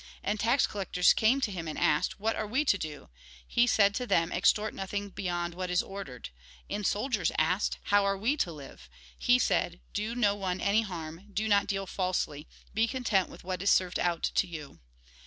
And tax collectors came to him, and asked :" What are we to do ?" He said to them :" Extort nothing beyond what is ordered." And soldiers asked: " How are we to live ?" He said :" Do no one any harm, do not deal falsely ; be content with what is served out to you."